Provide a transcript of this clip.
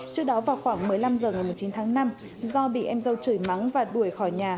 trước đó vào khoảng một mươi năm h ngày một mươi chín tháng năm do bị em dâu trời mắng và đuổi khỏi nhà